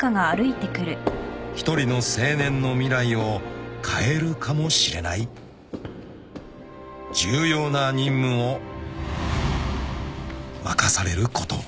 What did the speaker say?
［一人の青年の未来を変えるかもしれない重要な任務を任されることを］